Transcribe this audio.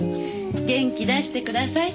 元気出してください。